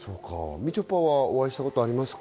みちょぱは、お会いしたことありますか？